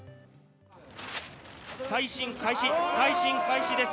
再審開始、再審開始です。